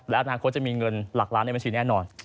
และอนาคตจะมีเงินหลักล้านในบัญชีแน่นอน